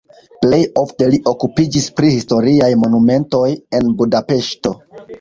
Plej ofte li okupiĝis pri historiaj monumentoj en Budapeŝto.